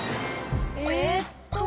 えっと。